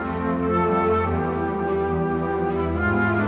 iya dari dulu doang jadi gitu